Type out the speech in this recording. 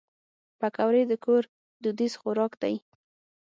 پکورې د کور دودیز خوراک دی